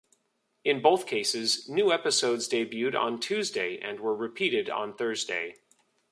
In both cases, new episodes debuted on Tuesday and were repeated on Thursday.